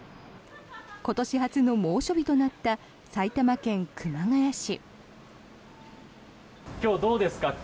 今年初の猛暑日となった埼玉県熊谷市。